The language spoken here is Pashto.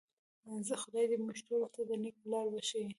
خدای دې موږ ټولو ته د نیکۍ لار وښیي.